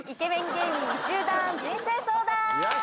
芸人集団人生相談！